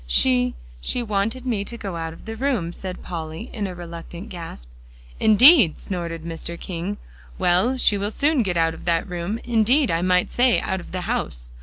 "She she wanted me to go out of the room," said Polly, in a reluctant gasp. "Indeed!" snorted Mr. King. "Well, she will soon go out of that room. Indeed, I might say, out of the house."